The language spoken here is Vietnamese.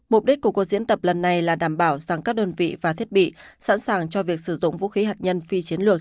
mục đích của cuộc diễn tập lần này là đảm bảo rằng các đơn vị và thiết bị sẵn sàng cho việc sử dụng vũ khí hạt nhân phi chiến lược